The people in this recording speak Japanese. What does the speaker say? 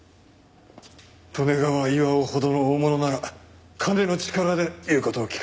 利根川巌ほどの大物なら金の力で言う事を聞かせたとか。